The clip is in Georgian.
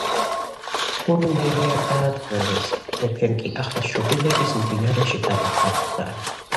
ქურუმი რეა დაატყვევეს, მეფემ კი ახალშობილების მდინარეში გადაყრა ბრძანა.